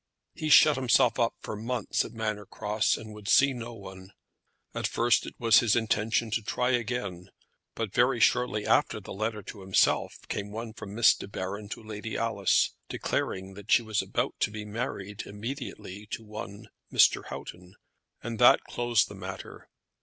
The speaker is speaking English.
He shut himself up for months at Manor Cross, and would see no one. At first it was his intention to try again, but very shortly after the letter to himself came one from Miss De Baron to Lady Alice, declaring that she was about to be married immediately to one Mr. Houghton; and that closed the matter.